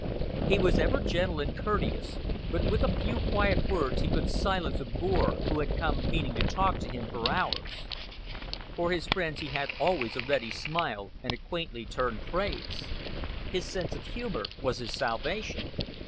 He was ever gentle and courteous, but with a few quiet words he could silence a bore who had come meaning to talk to him for hours. For his friends he had always a ready smile and a quaintly turned phrase. His sense of humor was his salvation.